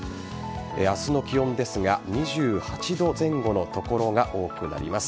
明日の気温ですが２８度前後の所が多くなります。